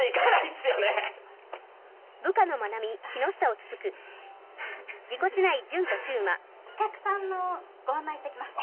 お客さんのご案内してきます。